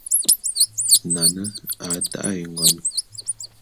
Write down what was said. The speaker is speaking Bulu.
Nane a ta'e ngon.